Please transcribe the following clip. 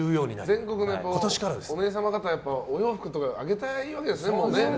全国のお姉様方とかお洋服とかをあげたいわけですね。